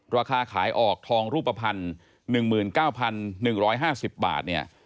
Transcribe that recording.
ราคาขายออกทองรูปภัณฑ์๑๙๑๕๐บาทเนี่ย